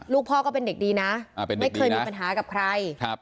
ลูกพ่อก็เป็นเด็กดีนะไม่เคยมีปัญหากับใคร